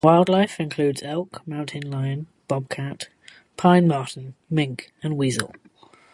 Wildlife includes elk, mountain lion, bobcat, pine marten, mink and weasel.